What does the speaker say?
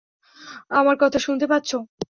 আমার কথা শুনতে পাচ্ছ?